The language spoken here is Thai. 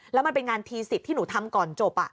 แล้วมันเป็นงานพีสิทธิ์ที่หนูทำก่อนจบ